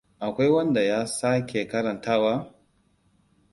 Akwai wanda ya sake karantawa?